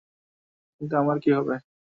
কিন্তু আমার কী হবে?